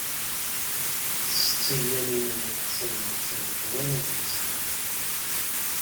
Setti Lyamina n At Ḥsayen attan deg wannag wis ṭam.